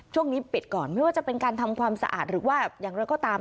ช่วงนี้ปิดก่อนไม่ว่าจะเป็นการทำความสะอาดหรือว่าอย่างไรก็ตาม